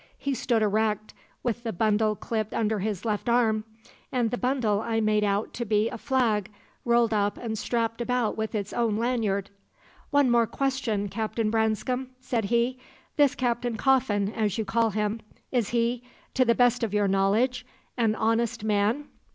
He stood erect, with the bundle clipped under his left arm; and the bundle I made out to be a flag, rolled up and strapped about with its own lanyard. "'One more question, Captain Branscome,' said he. 'This Captain Coffin, as you call him is he, to the best of your knowledge, an honest man?'